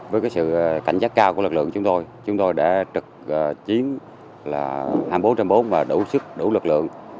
từ cảnh giác cao của lực lượng chúng tôi chúng tôi đã trực chiến hai mươi bốn h bốn và đủ sức đủ lực lượng